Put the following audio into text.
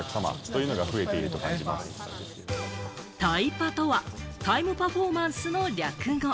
タイパとはタイムパフォーマンスの略語。